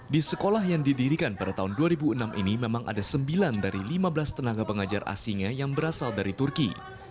di sekolah yang didirikan pada tahun dua ribu enam ini memang ada sembilan dari lima belas tenaga pengajar asingnya yang berasal dari turki